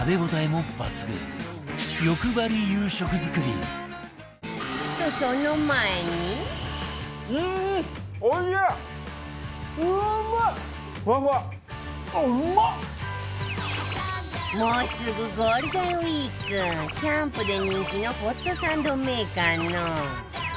もうすぐゴールデンウィークキャンプで人気のホットサンドメーカーの